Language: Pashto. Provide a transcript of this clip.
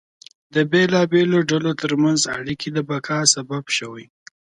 د بېلابېلو ډلو ترمنځ اړیکې د بقا سبب شوې.